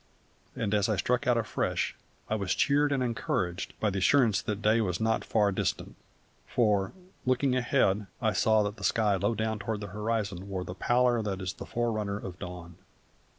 And as I struck out afresh I was cheered and encouraged by the assurance that day was not far distant, for, looking ahead, I saw that the sky low down toward the horizon wore the pallor that is the forerunner of dawn.